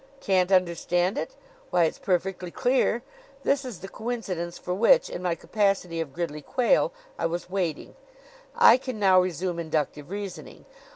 "Can't understand it? Why, it's perfectly clear. This is the coincidence for which, in my capacity of Gridley Quayle, I was waiting. I can now resume inductive reasoning.